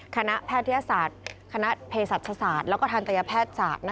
แพทยศาสตร์คณะเพศศาสตร์แล้วก็ทันตยแพทย์ศาสตร์